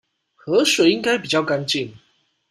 河水應該比較乾淨